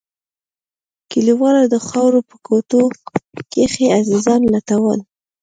كليوالو د خاورو په کوټو کښې عزيزان لټول.